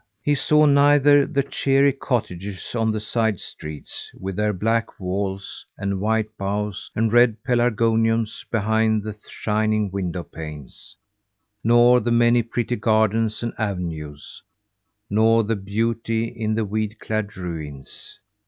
He saw neither the cheery cottages on the side streets, with their black walls, and white bows and red pelargoniums behind the shining window panes, nor the many pretty gardens and avenues, nor the beauty in the weed clad ruins.